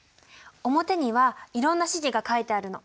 表にはいろんな指示が書いてあるの。